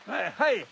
はい。